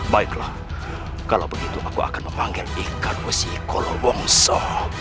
baiklah kalau begitu aku akan memanggil ikan usikolo wongso